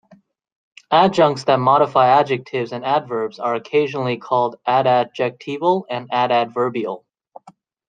Adjuncts that modify adjectives and adverbs are occasionally called "adadjectival" and "adadverbial".